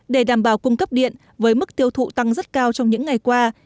để đảm bảo cung cấp điện với mức tiêu thụ tăng rất cao trong những ngày qua